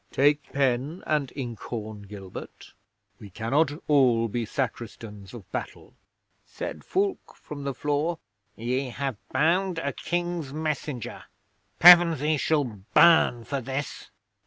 Take pen and ink horn, Gilbert. We cannot all be Sacristans of Battle." 'Said Fulke from the floor, "Ye have bound a King's messenger. Pevensey shall burn for this."